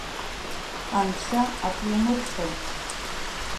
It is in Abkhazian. Анцәа ак иумырхьын!